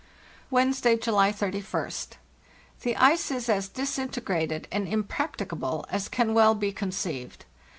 * "Wednesday, July 31st. The ice is as disintegrated and impracticable as can well be conceived.